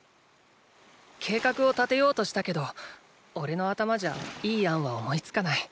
計画を立てようとしたけどおれの頭じゃいい案は思いつかない。